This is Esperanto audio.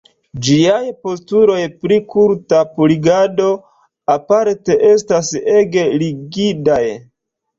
Ĝiaj postuloj pri kulta purigado, aparte, estas ege rigidaj.